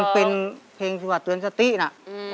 เป็นเพลงจีบสนวัตรเตือนทะตี้นะ